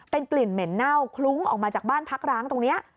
เป็นกลิ่นเหม็นเน่าคลุ้งออกมาจากบ้านพักร้างตรงนี้